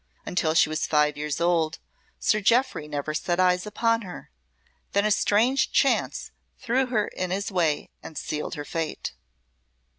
Until she was five years old Sir Jeoffry never set eyes upon her. Then a strange chance threw her in his way and sealed her fate.